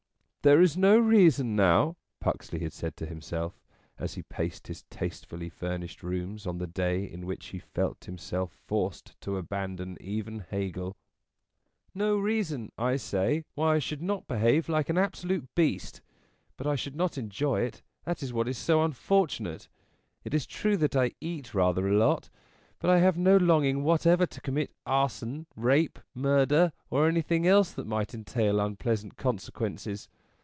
" There is no reason now," Puxley had said to himself, as he paced his tastefully furnished rooms on the day on which he felt himself forced to abandon even Hegel " no P 34 N' JAWK reason, I say, why I should not behave like an abso lute beast But I should not enjoy it : that is what is so unfortunate. It is true that I eat rather a lot; but I have no longing whatever to commit arson, rape, murder, or anything else that might entail un pleasant consequences.